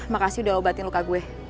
makasih udah obatin luka gue